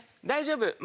大丈夫！